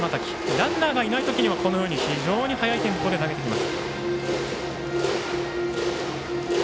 ランナーがいないときには非常に速いテンポで投げてきます。